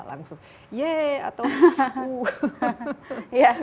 langsung yee atau wuh